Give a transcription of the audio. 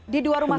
di dua rumah sakit